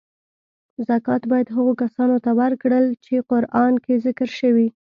زکات باید هغو کسانو ته ورکړل چی قران کې ذکر شوی .